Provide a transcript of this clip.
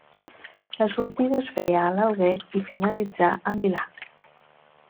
La sortida es feia a l'Alguer i finalitzà a Milà.